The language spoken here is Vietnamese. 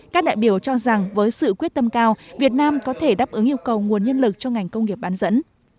các đại biểu cho rằng với sự quyết tâm cao việt nam có thể đáp ứng yêu cầu nguồn nhân lực cho ngành công nghiệp bán dẫn